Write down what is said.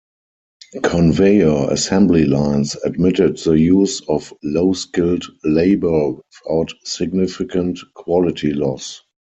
Conveyor assembly lines admitted the use of low-skilled labour without significant quality loss.